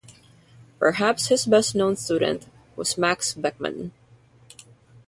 Perhaps his best known student was Max Beckmann.